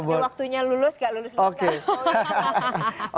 waktunya lulus gak lulus lalu kan